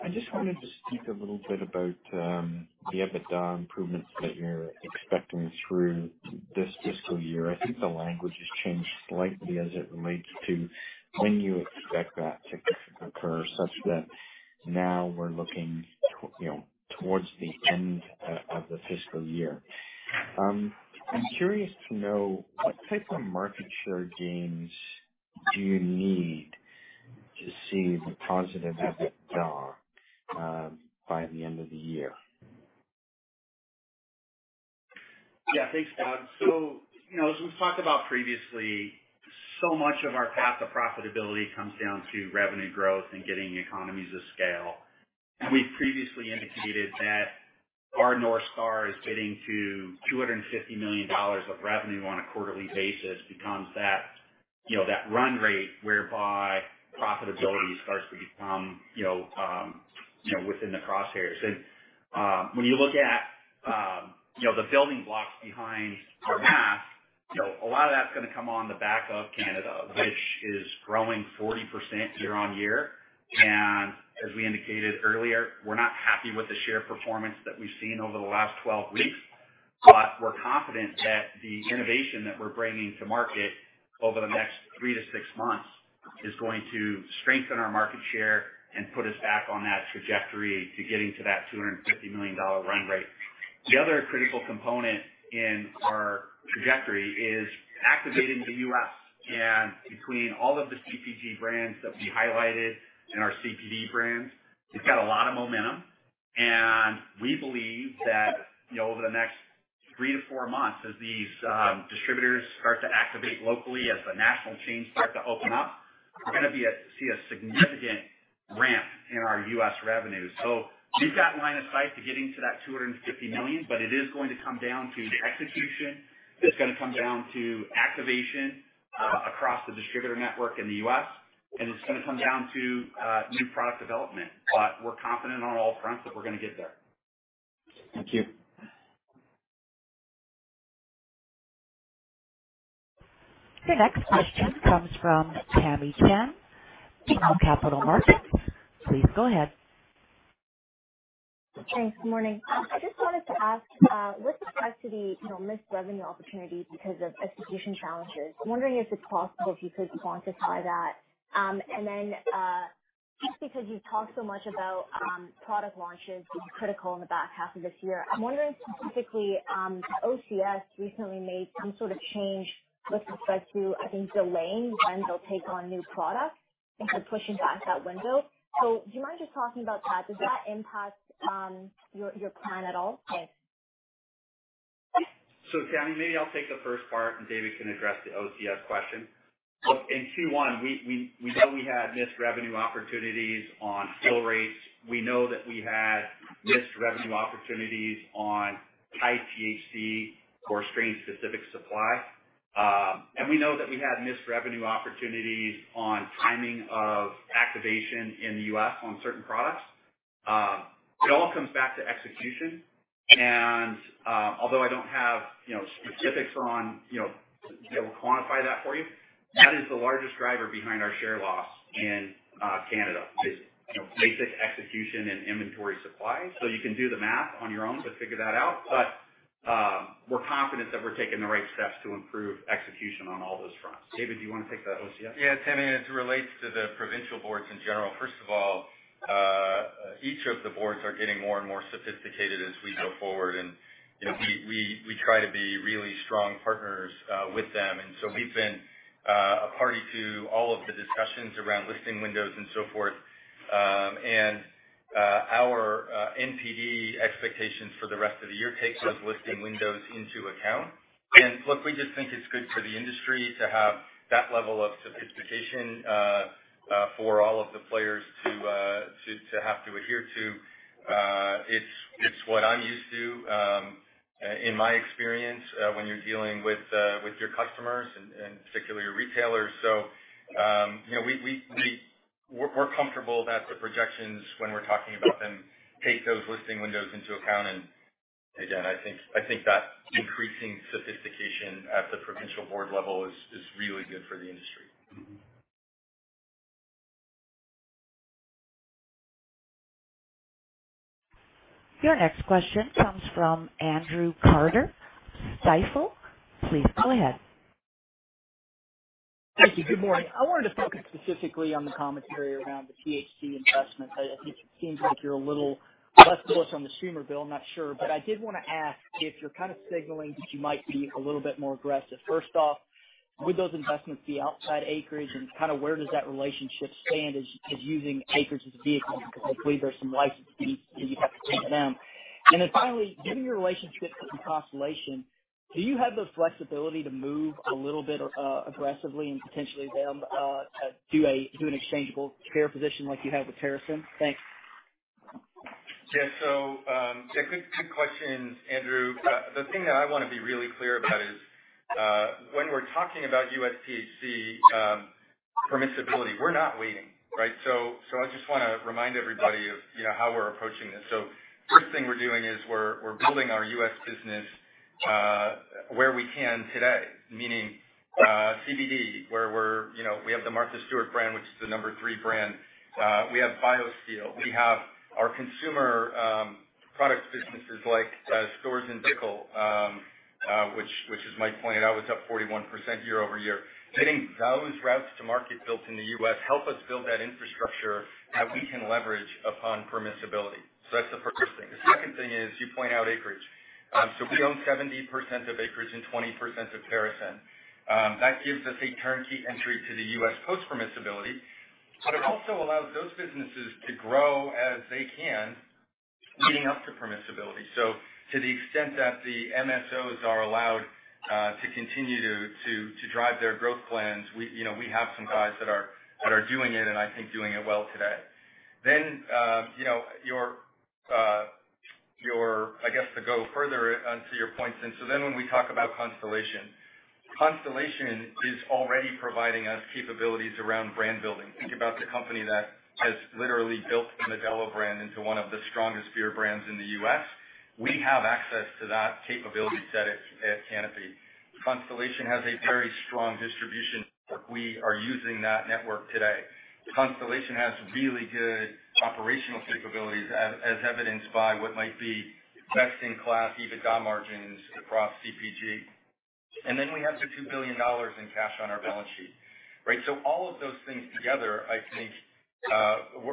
I just wanted to speak a little bit about the EBITDA improvements that you're expecting through this fiscal year. I think the language has changed slightly as it relates to when you expect that to occur, such that now we're looking towards the end of the fiscal year. I'm curious to know what type of market share gains do you need to see the positives as they are by the end of the year? Thanks, Doug. As we've talked about previously, so much of our path to profitability comes down to revenue growth and getting economies of scale. We've previously indicated that our North Star is getting to 250 million dollars of revenue on a quarterly basis becomes that run-rate whereby profitability starts to become within the crosshairs. When you look at the building blocks behind our path, a lot of that's going to come on the back of Canada, which is growing 40% year-on-year. As we indicated earlier, we're not happy with the share performance that we've seen over the last 12 weeks, but we're confident that the innovation that we're bringing to market over the next three to six months is going to strengthen our market share and put us back on that trajectory to getting to that 250 million dollar run-rate. The other critical component in our trajectory is activating the U.S.. Between all of the CPG brands that we highlighted and our CBD brands, we've got a lot of momentum, and we believe that over the next three to four months, as these distributors start to activate locally, as the national chains start to open up, we're going to see a significant ramp in our U.S. revenues. We've got line of sight to getting to that 250 million, it is going to come down to execution. It's going to come down to activation across the distributor network in the U.S., it's going to come down to new product development. We're confident on all fronts that we're going to get there. Thank you. Your next question comes from Tamy Chen, [audio distortion] Capital Markets. Please go ahead. Thanks. Good morning. I just wanted to ask, with respect to the missed revenue opportunity because of execution challenges, I'm wondering if it's possible if you could quantify that. Just because you've talked so much about product launches being critical in the back half of this year, I'm wondering specifically, OCS recently made some sort of change with respect to, I think, delaying when they'll take on new products and pushing back that window. Do you mind just talking about that? Does that impact your plan at all? Thanks. Tamy, maybe I'll take the first part and David can address the OCS question. Look, in Q1, we know we had missed revenue opportunities on fill rates. We know that we had missed revenue opportunities on high THC for strain-specific supply. We know that we had missed revenue opportunities on timing of activation in the U.S. on certain products. It all comes back to execution. Although I don't have specifics that will quantify that for you, that is the largest driver behind our share loss in Canada, is basic execution and inventory supply. You can do the math on your own to figure that out. We're confident that we're taking the right steps to improve execution on all those fronts. David, do you want to take the OCS? Yeah, Tamy. As it relates to the provincial boards in general, first of all, each of the boards are getting more and more sophisticated as we go forward. We try to be really strong partners with them. We've been a party to all of the discussions around listing windows and so forth. Our NPD expectations for the rest of the year take those listing windows into account. Look, we just think it's good for the industry to have that level of sophistication for all of the players to have to adhere to. It's what I'm used to, in my experience, when you're dealing with your customers and particularly your retailers. We're comfortable that the projections when we're talking about them take those listing windows into account. Again, I think that increasing sophistication at the provincial board level is really good for the industry. Your next question comes from Andrew Carter, Stifel. Please go ahead. Thank you. Good morning. I wanted to focus specifically on the commentary around the THC investments. I think it seems like you're a little less bullish on the Schumer Bill. I'm not sure. I did want to ask if you're kind of signaling that you might be a little bit more aggressive. First off, would those investments be outside Acreage and where does that relationship stand as using Acreage as a vehicle? Because I believe there's some licensing that you have to pay to them. Finally, given your relationship with Constellation, do you have the flexibility to move a little bit aggressively and potentially them do an exchangeable share position like you have with TerrAscend? Thanks. Yeah. Good questions, Andrew. The thing that I want to be really clear about is when we're talking about U.S. THC permissibility, we're not waiting, right? I just want to remind everybody of how we're approaching this. First thing we're doing is we're building our U.S. business where we can today. Meaning CBD, where we have the Martha Stewart brand, which is the number three brand. We have BioSteel. We have our consumer products businesses like STORZ & BICKEL, which as Mike pointed out, was up 41% year-over-year. Getting those routes to market built in the U.S. help us build that infrastructure that we can leverage upon permissibility. That's the first thing. The second thing is, you point out Acreage. We own 70% of Acreage and 20% of TerrAscend. That gives us a turnkey entry to the U.S. post-permissibility, but it also allows those businesses to grow as they can leading up to permissibility. To the extent that the MSOs are allowed to continue to drive their growth plans, we have some guys that are doing it, and I think doing it well today. I guess to go further onto your points, when we talk about Constellation. Constellation is already providing us capabilities around brand building. Think about the company that has literally built the Modelo brand into one of the strongest beer brands in the U.S. We have access to that capability set at Canopy. Constellation has a very strong distribution network. We are using that network today. Constellation has really good operational capabilities, as evidenced by what might be best-in-class EBITDA margins across CPG. We have the 2 billion dollars in cash on our balance sheet, right? All of those things together, I think,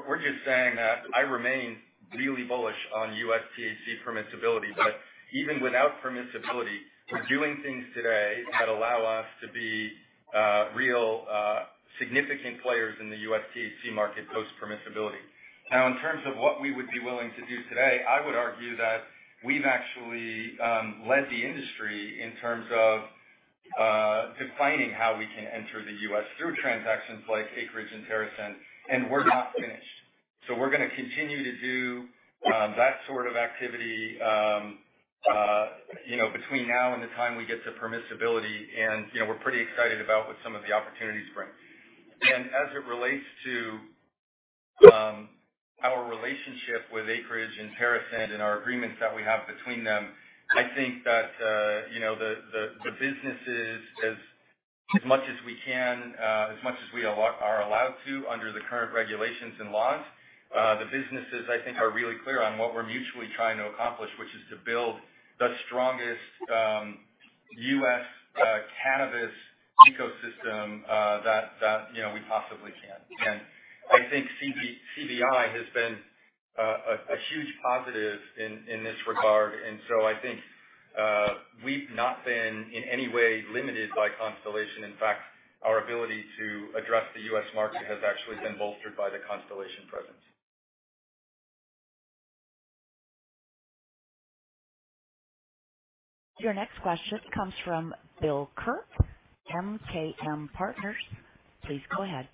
we're just saying that I remain really bullish on U.S. THC permissibility, but even without permissibility, we're doing things today that allow us to be real significant players in the U.S. THC market post-permissibility. Now, in terms of what we would be willing to do today, I would argue that we've actually led the industry in terms of defining how we can enter the U.S. through transactions like Acreage and TerrAscend, and we're not finished. We're going to continue to do that sort of activity between now and the time we get to permissibility, and we're pretty excited about what some of the opportunities bring. As it relates to our relationship with Acreage and TerrAscend and our agreements that we have between them, I think that the businesses, as much as we can, as much as we are allowed to under the current regulations and laws, the businesses, I think, are really clear on what we're mutually trying to accomplish, which is to build the strongest U.S. cannabis ecosystem that we possibly can. I think CBI has been a huge positive in this regard, I think we've not been, in any way, limited by Constellation. In fact, our ability to address the U.S. market has actually been bolstered by the Constellation presence. Your next question comes from Bill Kirk, MKM Partners. Please go ahead.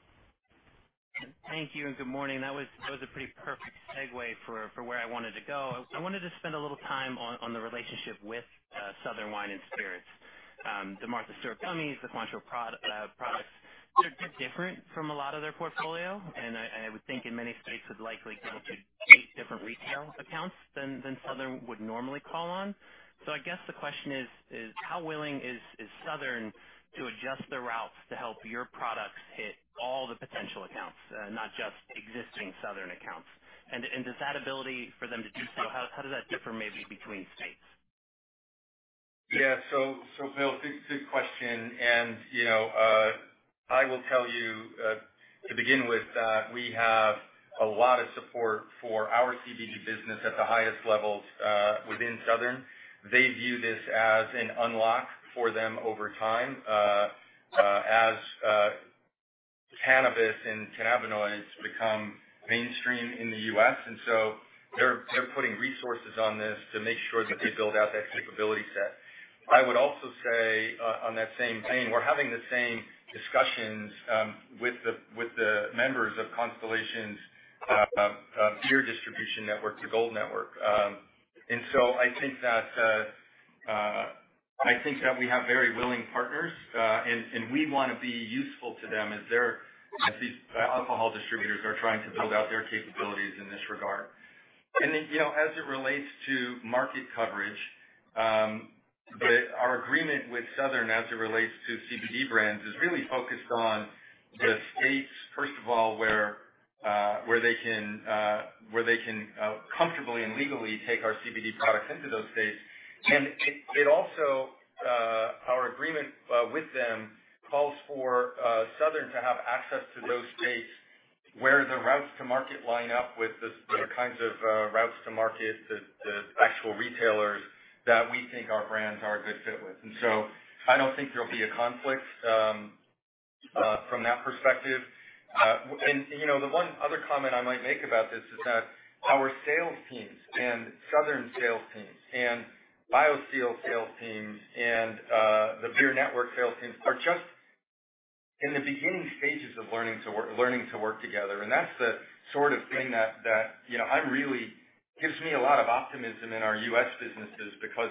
Thank you. Good morning. That was a pretty perfect segue for where I wanted to go. I wanted to spend a little time on the relationship with Southern Wine & Spirits. The Martha Stewart gummies, the Quatreau products, they're different from a lot of their portfolio, and I would think in many states would likely go to eight different retail accounts than Southern would normally call on. I guess the question is, how willing is Southern to adjust their routes to help your products hit all the potential accounts, not just existing Southern accounts? Does that ability for them to do so, how does that differ maybe between states? Bill, good question. I will tell you, to begin with, that we have a lot of support for our CBD business at the highest levels within Southern. They view this as an unlock for them over time as cannabis and cannabinoids become mainstream in the U.S. They're putting resources on this to make sure that they build out that capability set. I would also say, on that same vein, we're having the same discussions with the members of Constellation's beer distribution network, the Gold Network. I think that we have very willing partners, and we want to be useful to them as these alcohol distributors are trying to build out their capabilities in this regard. As it relates to market coverage, our agreement with Southern as it relates to CBD brands is really focused on the states, first of all, where they can comfortably and legally take our CBD products into those states. It also, our agreement with them calls for Southern to have access to those states where the routes to market line up with the kinds of routes to market, the actual retailers that we think our brands are a good fit with. I don't think there'll be a conflict from that perspective. The one other comment I might make about this is that our sales teams and Southern sales teams and BioSteel sales teams and the beer network sales teams are just in the beginning stages of learning to work together. That's the sort of thing that gives me a lot of optimism in our U.S. businesses because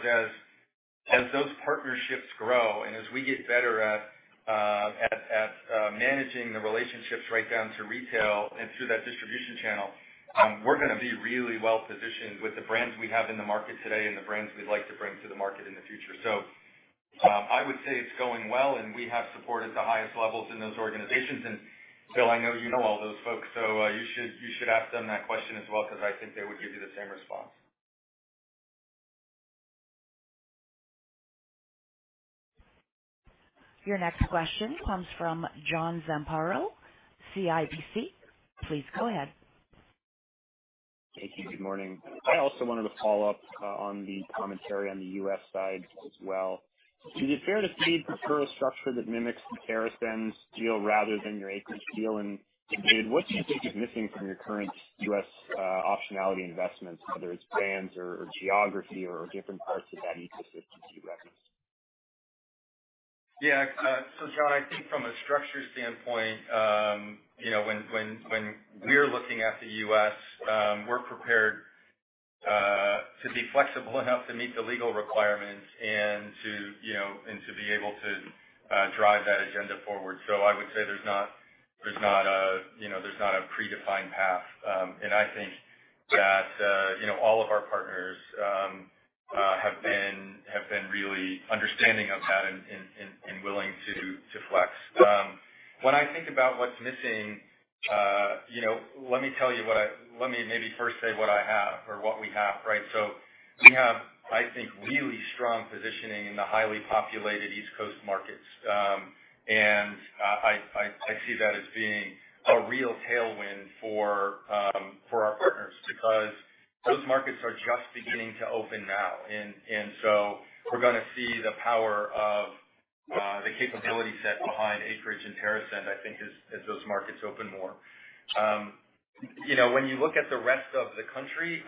as those partnerships grow and as we get better at managing the relationships right down to retail and through that distribution channel, we're going to be really well-positioned with the brands we have in the market today and the brands we'd like to bring to the market in the future. I would say it's going well, and we have support at the highest levels in those organizations. Bill, I know you know all those folks, so you should ask them that question as well, because I think they would give you the same response. Your next question comes from John Zamparo, CIBC. Please go ahead. Thank you. Good morning. I also wanted to follow up on the commentary on the U.S. side as well. Do you fear that CBI would prefer a structure that mimics the TerrAscend deal rather than your Acreage deal? David, what do you think is missing from your current U.S. optionality investments, whether it's brands or geography or different parts of that ecosystem CBI warrants? Yeah. John, I think from a structure standpoint, when we're looking at the U.S., we're prepared to be flexible enough to meet the legal requirements and to be able to drive that agenda forward. I would say there's not a predefined path. I think that all of our partners have been really understanding of that and willing to flex. When I think about what's missing, let me maybe first say what I have or what we have. We have, I think, really strong positioning in the highly populated East Coast markets. I see that as being a real tailwind for our partners because those markets are just beginning to open now. We're going to see the power of the capability set behind Acreage and TerrAscend, I think, as those markets open more. When you look at the rest of the country,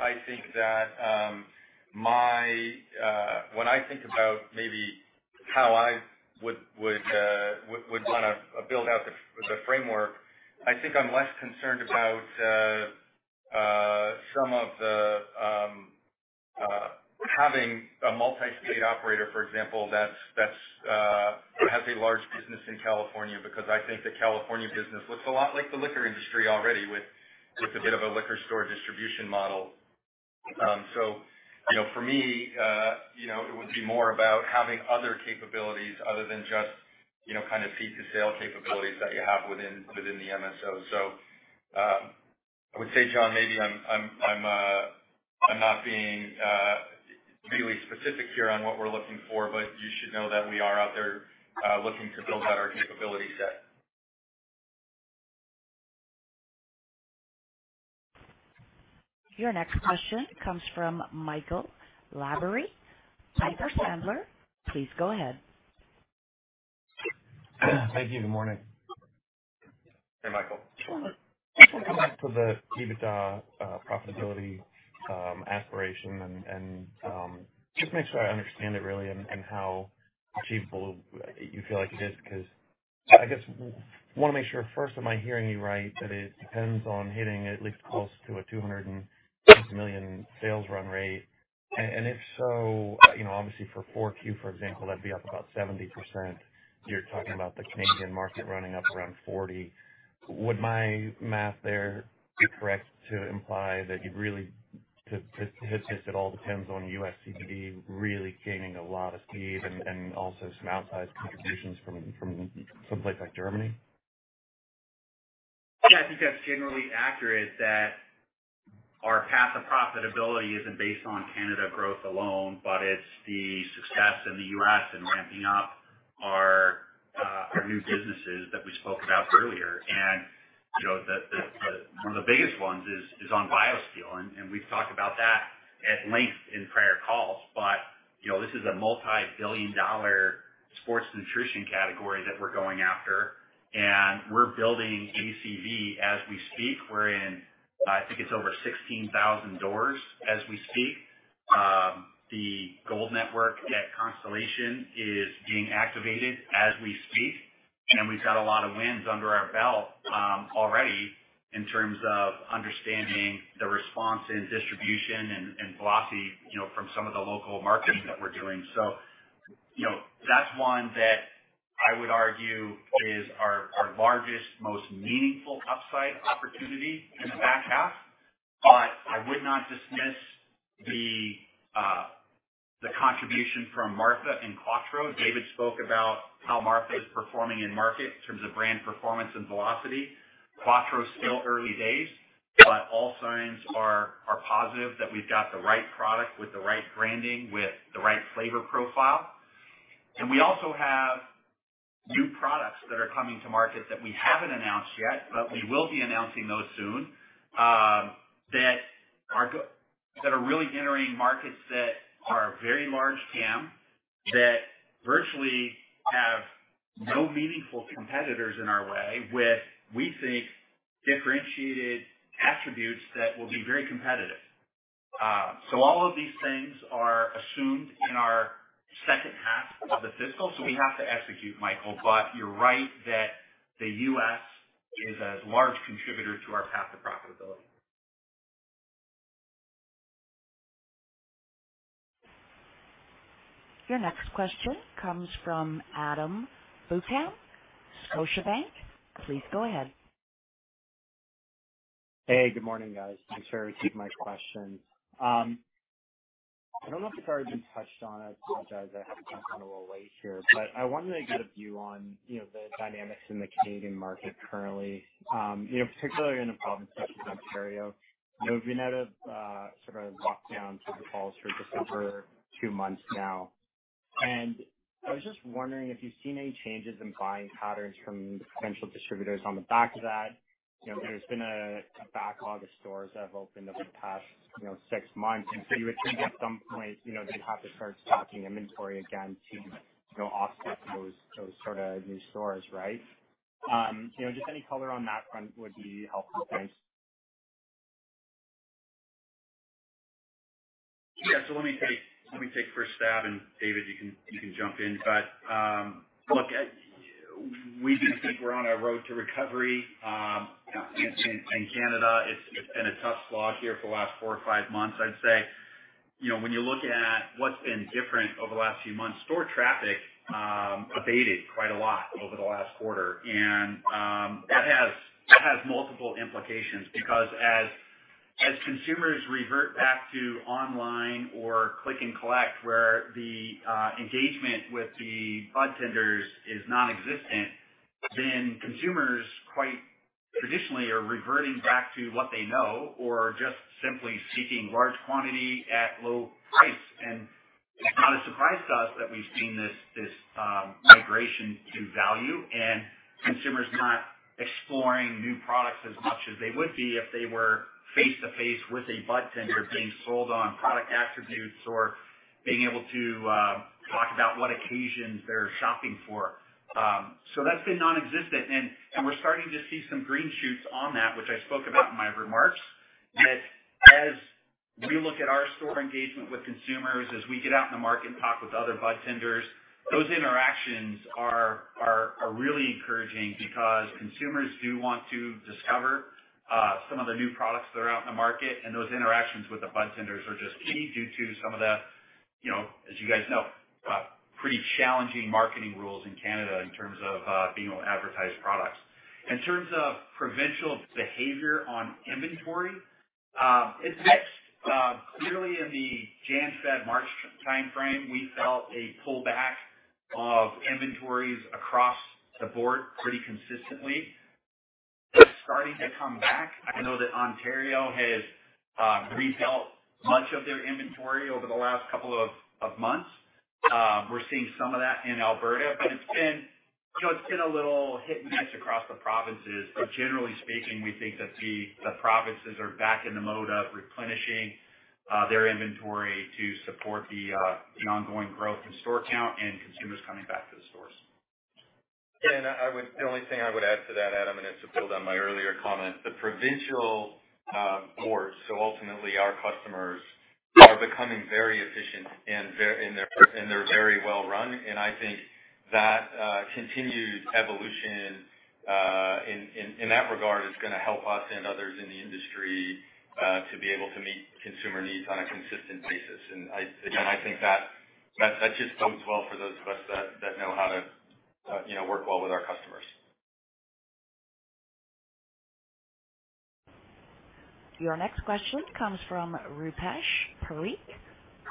when I think about maybe how I would want to build out the framework, I think I'm less concerned about having a multi-state operator, for example, that has a large business in California, because I think the California business looks a lot like the liquor industry already with a bit of a liquor store distribution model. For me, it would be more about having other capabilities other than just seed-to-sale capabilities that you have within the MSO. I would say, John, maybe I'm not being really specific here on what we're looking for, but you should know that we are out there looking to build out our capability set. Your next question comes from Michael Lavery, Piper Sandler. Please go ahead. Thank you. Good morning. Hey, Michael. Going back to the EBITDA profitability aspiration and just make sure I understand it really and how achievable you feel like it is, because I guess want to make sure first, am I hearing you right that it depends on hitting at least close to a 260 million sales run-rate? If so, obviously for 4Q, for example, that'd be up about 70%. You're talking about the Canadian market running up around 40%. Would my math there be correct to imply that you'd really This all depends on U.S. CBD really gaining a lot of speed and also some outsized contributions from someplace like Germany? Yeah, I think that's generally accurate that our path to profitability isn't based on Canada growth alone, but it's the success in the U.S. and ramping up our new businesses that we spoke about earlier. One of the biggest ones is on BioSteel, and we've talked about that at length in prior calls. This is a multi-billion dollar sports nutrition category that we're going after, and we're building ACV as we speak. We're in, I think it's over 16,000 doors as we speak. The Gold Network at Constellation is being activated as we speak, and we've got a lot of wins under our belt already in terms of understanding the response in distribution and velocity from some of the local marketing that we're doing. That's one that I would argue is our largest, most meaningful upside opportunity in the back half. I would not dismiss the contribution from Martha and Quatreau. David spoke about how Martha is performing in market in terms of brand performance and velocity. Quatreau is still early days, but all signs are positive that we've got the right product with the right branding, with the right flavor profile. We also have new products that are coming to market that we haven't announced yet, but we will be announcing those soon, that are really entering markets that are very large TAM, that virtually have no meaningful competitors in our way with, we think, differentiated attributes that will be very competitive. All of these things are assumed in our second half of the fiscal. We have to execute, Michael, but you're right that the U.S. is a large contributor to our path to profitability. Your next question comes from Adam Buckham, Scotiabank. Please go ahead. Hey, good morning, guys. Thanks very much for my question. I don't know if it's already been touched on. I apologize. I have been a little late here, but I wanted to get a view on the dynamics in the Canadian market currently, particularly in a province such as Ontario. We've been at a sort of lockdown through the fall, through December, two months now. I was just wondering if you've seen any changes in buying patterns from the potential distributors on the back of that? There's been a backlog of stores that have opened over the past six months, so you would think at some point, they'd have to start stocking inventory again to offset those sort of new stores, right? Just any color on that front would be helpful, thanks. Yeah. Let me take first stab, and David, you can jump in. Look, we do think we're on a road to recovery. In Canada, it's been a tough slog here for the last four or five months, I'd say. When you look at what's been different over the last few months, store traffic abated quite a lot over the last quarter. That has multiple implications because as consumers revert back to online or click and collect, where the engagement with the budtenders is nonexistent, consumers quite traditionally are reverting back to what they know or just simply seeking large quantity at low price. It's not a surprise to us that we've seen this migration to value and consumers not exploring new products as much as they would be if they were face-to-face with a budtender being sold on product attributes or being able to talk about what occasions they're shopping for. That's been nonexistent, and we're starting to see some green shoots on that, which I spoke about in my remarks, that as we look at our store engagement with consumers, as we get out in the market and talk with other budtenders, those interactions are really encouraging because consumers do want to discover some of the new products that are out in the market, and those interactions with the budtenders are just key due to some of the, as you guys know, pretty challenging marketing rules in Canada in terms of being able to advertise products. In terms of provincial behavior on inventory, it is mixed. Clearly in the January, February, March timeframe, we felt a pullback of inventories across the board pretty consistently. It is starting to come back. I know that Ontario has rebuilt much of their inventory over the last couple of months. We are seeing some of that in Alberta, but it has been a little hit and miss across the provinces. Generally speaking, we think that the provinces are back in the mode of replenishing their inventory to support the ongoing growth in store count and consumers coming back to the stores. Yeah, the only thing I would add to that, Adam, and it's to build on my earlier comment, the provincial boards, so ultimately our customers, are becoming very efficient, and they're very well run, and I think that continued evolution in that regard is going to help us and others in the industry, to be able to meet consumer needs on a consistent basis. Again, I think that just bodes well for those of us that know how to work well with our customers. Your next question comes from Rupesh Parikh,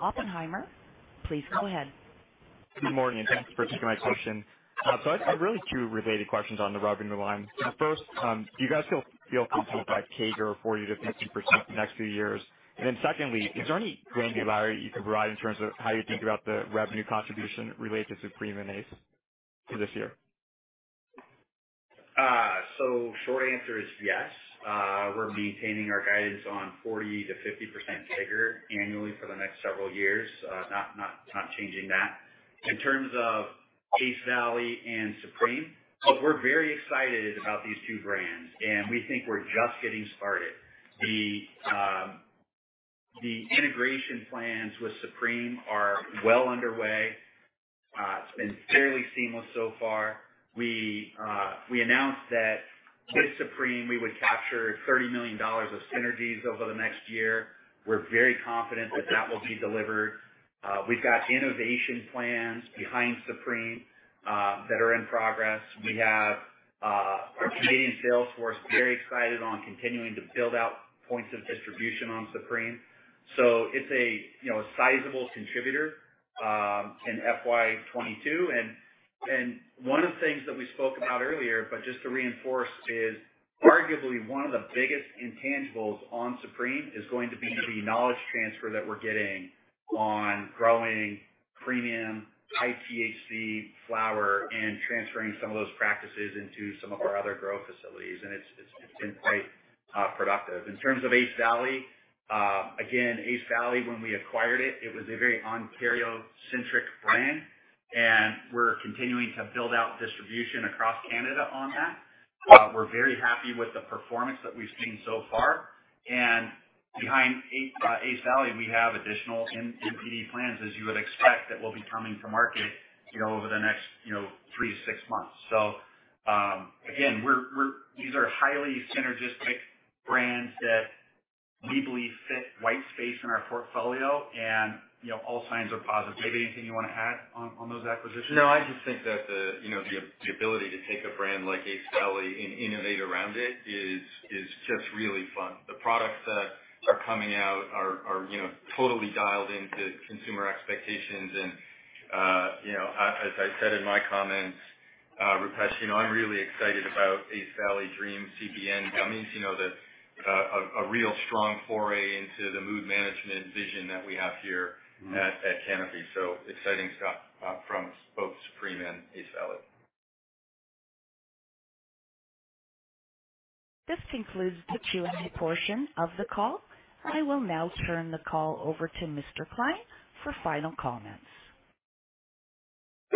Oppenheimer. Please go ahead. Good morning, thanks for taking my question. I have really two related questions on the revenue line. First, do you guys still feel comfortable with that CAGR of 40%-50% for the next few years? Secondly, is there any granularity you could provide in terms of how you think about the revenue contribution related to Supreme and Ace for this year? Short answer is yes. We're maintaining our guidance on 40%-50% CAGR annually for the next several years. Not changing that. In terms of Ace Valley and Supreme, we're very excited about these two brands, and we think we're just getting started. The integration plans with Supreme are well underway. It's been fairly seamless so far. We announced that with Supreme, we would capture 30 million dollars of synergies over the next year. We're very confident that that will be delivered. We've got innovation plans behind Supreme that are in progress. We have our Canadian sales force very excited on continuing to build out points of distribution on Supreme. It's a sizable contributor in FY 2022, and one of the things that we spoke about earlier, but just to reinforce, is arguably one of the biggest intangibles on Supreme is going to be the knowledge transfer that we're getting on growing premium high-THC flower and transferring some of those practices into some of our other growth facilities. It's been quite productive. In terms of Ace Valley, again, Ace Valley, when we acquired it was a very Ontario-centric brand, and we're continuing to build out distribution across Canada on that. We're very happy with the performance that we've seen so far. Behind Ace Valley, we have additional NPD plans, as you would expect, that will be coming to market over the next three to six months. Again, these are highly synergistic brands that we believe fit white space in our portfolio. All signs are positive. David, anything you want to add on those acquisitions? No, I just think that the ability to take a brand like Ace Valley and innovate around it is just really fun. The products that are coming out are totally dialed into consumer expectations. As I said in my comments, Rupesh, I'm really excited about Ace Valley Dream CBN Gummies, a real strong foray into the mood management vision that we have here at Canopy. Exciting stuff from both Supreme and Ace Valley. This concludes the Q&A portion of the call. I will now turn the call over to Mr. Klein for final comments.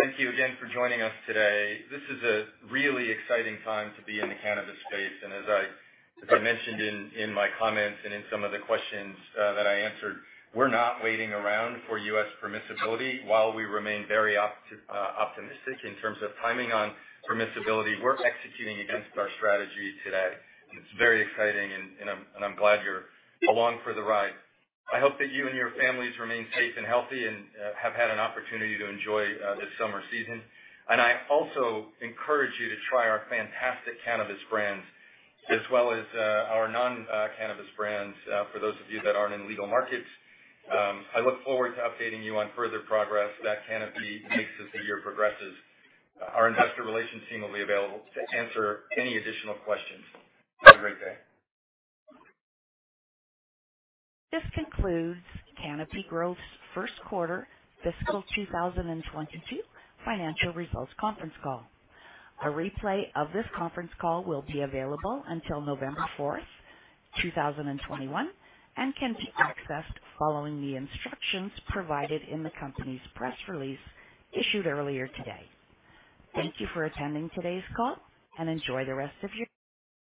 Thank you again for joining us today. This is a really exciting time to be in the cannabis space. As I mentioned in my comments and in some of the questions that I answered, we're not waiting around for U.S. permissibility. While we remain very optimistic in terms of timing on permissibility, we're executing against our strategy today, and it's very exciting, and I'm glad you're along for the ride. I hope that you and your families remain safe and healthy and have had an opportunity to enjoy this summer season. I also encourage you to try our fantastic cannabis brands as well as our non-cannabis brands for those of you that aren't in legal markets. I look forward to updating you on further progress that Canopy makes as the year progresses. Our Investor Relations team will be available to answer any additional questions. Have a great day. This concludes Canopy Growth's first quarter fiscal 2022 financial results conference call. A replay of this conference call will be available until November 4th, 2021, and can be accessed following the instructions provided in the company's press release issued earlier today. Thank you for attending today's call, and enjoy the rest of your day.